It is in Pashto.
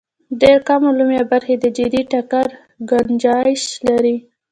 ډېر کم علوم یا برخې د جدي ټکر ګنجایش لري.